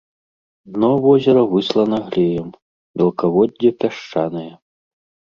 Дно возера выслана глеем, мелкаводдзе пясчанае.